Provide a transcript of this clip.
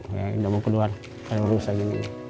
terus keluar terus terus lagi